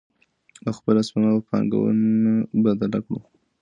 او خپله سپما په پانګونه بدله کړو.